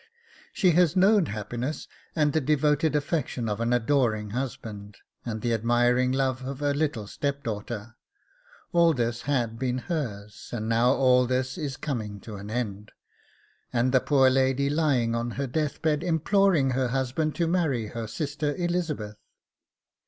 She has known happiness, and the devoted affection of an adoring husband, and the admiring love of her little step daughter, all this had been hers; and now all this is coming to an end, and the poor lady lying on her death bed imploring her husband to marry her sister Elizabeth.